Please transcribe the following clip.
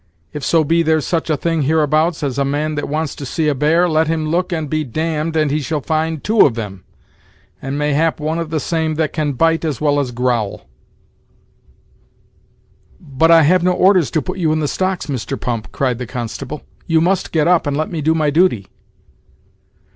If so be there's such a thing hereabouts, as a man that wants to see a bear, let him look and be d d, and he shall find two of them, and mayhap one of the same that can bite as well as growl." "But I have no orders to put you in the stocks, Mr. Pump," cried the constable; "you must get up and let me do my duty."